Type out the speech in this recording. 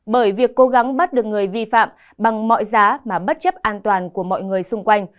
bởi việc cố gắng bắt được người vi phạm bằng mọi giá mà bất chấp an toàn của mọi người xung quanh